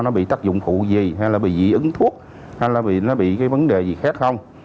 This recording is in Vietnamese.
nó bị tác dụng phụ gì hay là bị dị ứng thuốc hay là vì nó bị cái vấn đề gì khác không